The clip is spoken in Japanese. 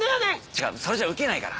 違うそれじゃウケないから。